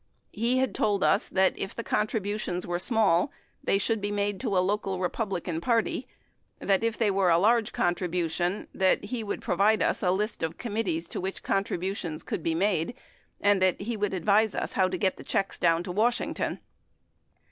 He had told us that if the contributions were small, they should be made to a local Republican party ; that if they were a large contribution, that he woidd provide us a list of committees to which contributions could be made, and that he would advise us how to get the checks down to Washington.